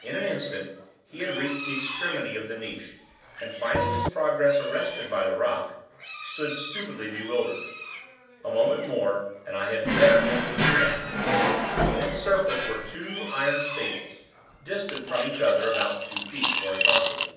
In an instant he had reached the extremity of the niche, and finding his progress arrested by the rock, stood stupidly bewildered. A moment more and I had fettered him to the granite. In its surface were two iron staples, distant from each other about two feet, horizontally.